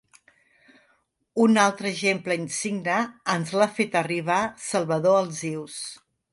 Un altre exemple insigne ens l'ha fet arribar Salvador Alsius.